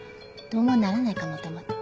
どうもならないかもともと。